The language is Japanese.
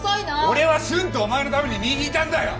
俺は瞬とお前のために身引いたんだよ！